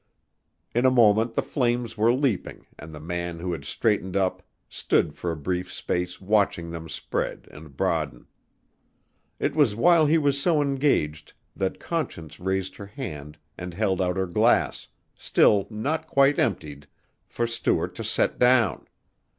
In a moment the flames were leaping and the man who had straightened up stood for a brief space watching them spread and broaden. It was while he was so engaged that Conscience raised her hand and held out her glass, still not quite emptied, for Stuart to set down.